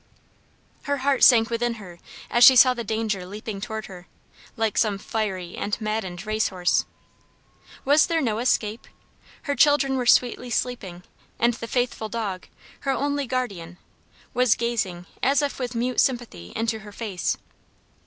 Her heart sank within her as she saw the danger leaping toward her like some fiery and maddened race horse. Was there no escape? Her children were sweetly sleeping, and the faithful dog, her only guardian, was gazing as if with mute sympathy into her face.